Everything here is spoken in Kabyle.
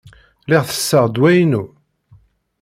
Lliɣ tesseɣ ddwa-inu.